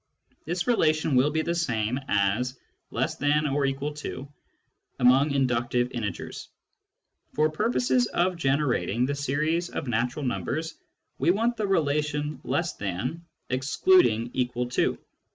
This relation will be the same as " less than or equal to " among inductive integers. For purposes of generating the series of natural numbers, we want the relation " less than," excluding " equal to."